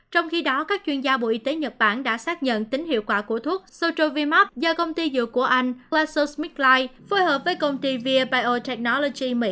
trong khi đó các chuyên gia bộ y tế nhật bản đã xác nhận tính hiệu quả của thuốc sotrovimab do công ty dược của anh glaxosmithkline phối hợp với công ty veer biotechnology mỹ sản xuất